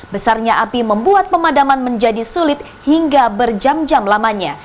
besarnya api membuat pemadaman menjadi sulit hingga berjam jam lamanya